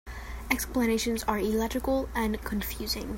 Explanations are illogical and confusing.